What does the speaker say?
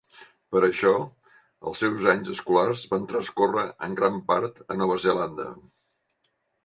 Per això, els seus anys escolars van transcórrer en gran part a Nova Zelanda.